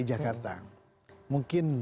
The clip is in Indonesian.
dki jakarta mungkin